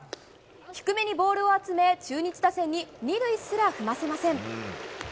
低めにボールを集め中日打線に２塁すら踏ませません。